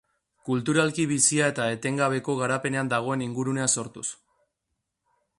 Kulturalki bizia eta etengabeko garapenean dagoen ingurunea sortuz.